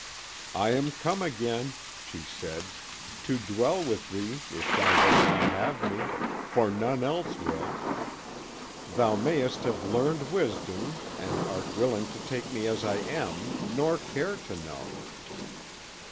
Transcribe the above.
"I am come again," she said, "to dwell with thee if thou wilt now have me, for none else will. Thou mayest have learned wisdom, and art willing to take me as I am, nor care to know."